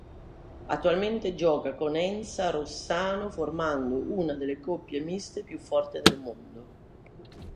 Attualmente gioca con Enza Rossano formando una delle coppie miste più forti del mondo.